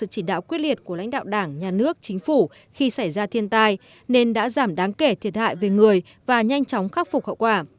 sự chỉ đạo quyết liệt của lãnh đạo đảng nhà nước chính phủ khi xảy ra thiên tai nên đã giảm đáng kể thiệt hại về người và nhanh chóng khắc phục hậu quả